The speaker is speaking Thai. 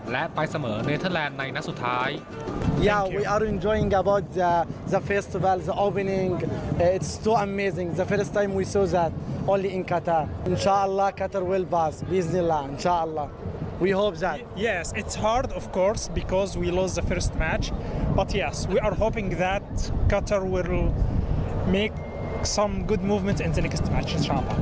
และไปเสมอเนเทอร์แลนด์ในนัดสุดท้าย